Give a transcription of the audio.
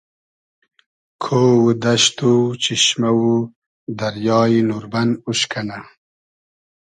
کۉ و دئشت و چیشمۂ و دریای نوربئن اوش کئنۂ